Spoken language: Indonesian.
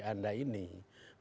bahwa yang dimaksudnya